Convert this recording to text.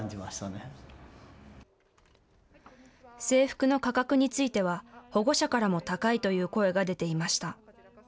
制服の価格については、保護者からも高いという声が出ていました。